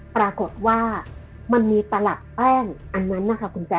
ปรากฏว่ามันมีตลับแป้งอันนั้นนะคะคุณแจ